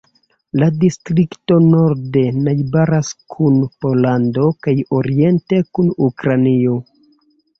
La distrikto norde najbaras kun Pollando kaj oriente kun Ukrainio.